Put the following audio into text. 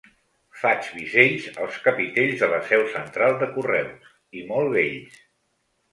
Faig bisells als capitells de la seu central de Correus, i molt bells.